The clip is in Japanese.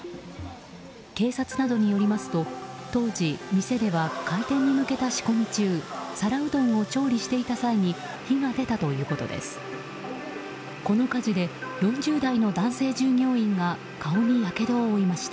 警察などによりますと、当時店では開店に向けた仕込み中皿うどんを調理していた際に火が出たということです。